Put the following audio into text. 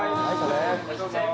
いらっしゃいませ。